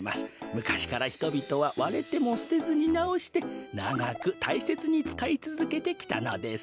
むかしからひとびとはわれてもすてずになおしてながくたいせつにつかいつづけてきたのです。